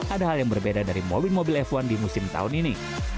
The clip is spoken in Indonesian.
ada hal yang berbeda dari mobil f satu di musim tahun ini